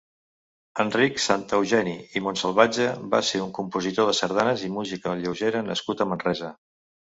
Enric Santeugini i Montsalvatge va ser un compositor de sardanes i música lleugera nascut a Manresa.